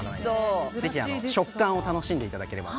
食感を楽しんでいただければと。